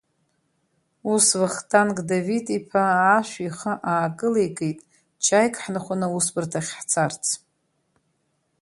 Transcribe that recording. Ус Вахтанг Давид-иԥа ашә ихы аакылеикит, чаик ҳнахәаны аусбарҭахь ҳцарц.